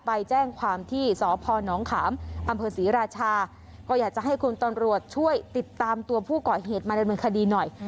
ไปแจ้งความที่สพนขามอำเภอศรีราชาก็อยากจะให้คุณตำรวจช่วยติดตามตัวผู้ก่อเหตุมาดำเนินคดีหน่อย